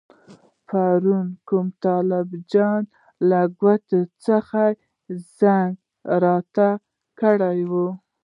پرون کوم طالب جان له کوټې څخه زنګ راته کړی وو.